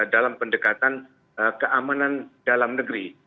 dalam pendekatan keamanan dalam negeri